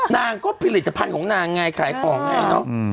นางก็ผลิตภัณฑ์ของนางไงขายของไงเนอะ